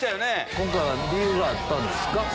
今回は理由があったんですか？